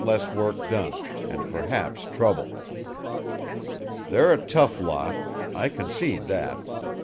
less work done, and perhaps trouble. They're a tough lot. I concede that.